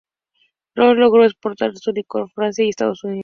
Ross logró exportar el licor a Francia y Estados Unidos.